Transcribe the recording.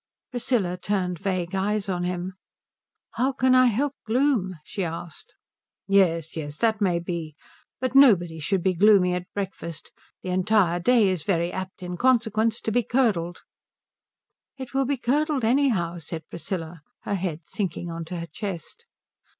Priscilla turned vague eyes on to him. "How can I help gloom?" she asked. "Yes, yes, that may be. But nobody should be gloomy at breakfast. The entire day is very apt, in consequence, to be curdled." "It will be curdled anyhow," said Priscilla, her head sinking on to her chest.